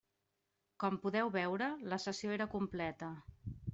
Com podeu veure, la sessió era completa.